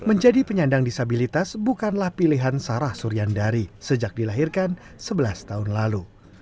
menjadi penyandang disabilitas bukanlah pilihan sarah suryandari sejak dilahirkan sebelas tahun lalu